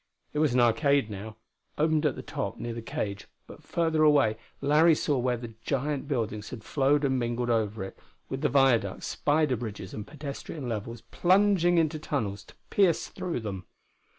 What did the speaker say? It was an arcade, now, open at the top near the cage; but further away Larry saw where the giant buildings had flowed and mingled over it, with the viaducts, spider bridges and pedestrian levels plunging into tunnels to pierce through them.